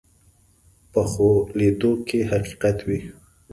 پخو لیدو کې حقیقت وي